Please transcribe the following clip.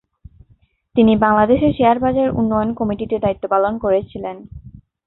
তিনি বাংলাদেশের শেয়ার বাজার উন্নয়ন কমিটিতে দায়িত্ব পালন করেছিলেন।